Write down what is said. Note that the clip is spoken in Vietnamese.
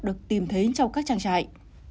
được tìm thấy trong các trang trại